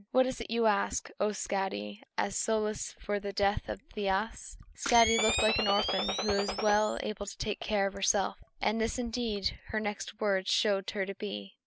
What is it you ask, O Skadi, as solace for the death of Thiasse?" Skadi looked like an orphan who was well able to take care of herself; and this indeed her next words showed her to be.